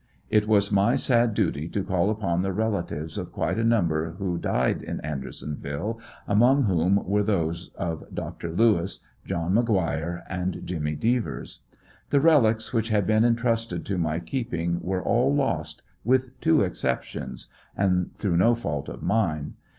It was my sad duty to call upon the relatives of quite a number who died in Andersonville, among whom were those of Dr. Lewis, John McGuire and Jimmy Devers. The relics which had been en trusted to my keeping were all lost with two exceptions, and through no fault of mine.